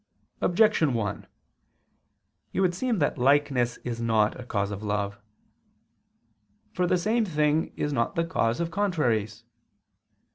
Objection 1: It would seem that likeness is not a cause of love. For the same thing is not the cause of contraries.